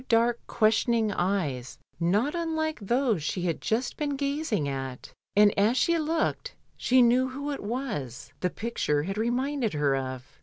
155 dark, questioning eyes not unlike those she had just been gazing at, and as she looked* she knew who it was the picture had reminded her of.